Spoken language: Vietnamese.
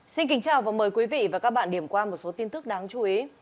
xin kính chào và mời quý vị và các bạn điểm qua một số tin tức đáng chú ý